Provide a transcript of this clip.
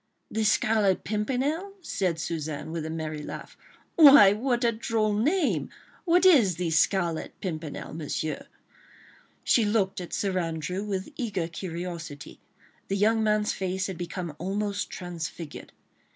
"The Scarlet Pimpernel?" said Suzanne, with a merry laugh. "Why! what a droll name! What is the Scarlet Pimpernel, Monsieur?" She looked at Sir Andrew with eager curiosity. The young man's face had become almost transfigured.